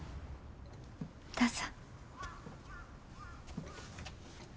どうぞ。